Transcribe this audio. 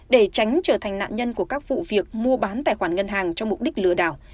để tránh trở thành nạn nhân của các vụ việc mua bán tài khoản ngân hàng cho mục đích lừa đảo